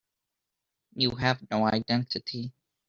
You have no identity.